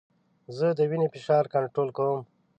زه د وینې فشار کنټرول کوم.